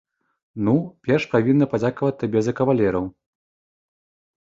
Ну, перш павінна падзякаваць табе за кавалераў.